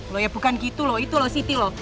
loh ya bukan gitu loh itu loh city loh